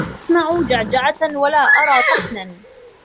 أسمع جعجعة ولا أرى طحنا